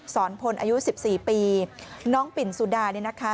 พลอายุ๑๔ปีน้องปิ่นสุดาเนี่ยนะคะ